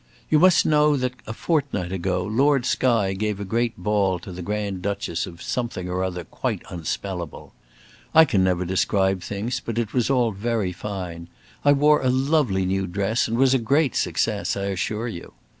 You must know that a fortnight ago, Lord Skye gave a great ball to the Grand Duchess of something or other quite unspellable. I never can describe things, but it was all very fine. I wore a lovely new dress, and was a great success, I assure you.